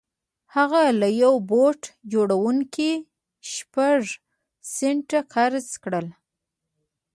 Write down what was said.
هغه له يوه بوټ جوړوونکي شپږ سنټه قرض کړل.